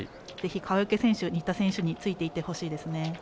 ぜひ川除選手、新田選手についていってほしいです。